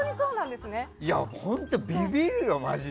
本当にビビるよ、マジで。